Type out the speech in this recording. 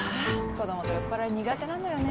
子供と酔っ払い苦手なのよね。